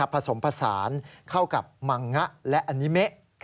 ผสมผสานเข้ากับมังงะและอนิเมะ